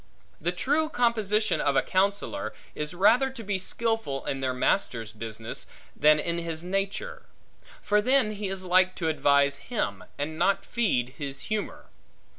The true composition of a counsellor, is rather to be skilful in their master's business, than in his nature; for then he is like to advise him, and not feed his humor.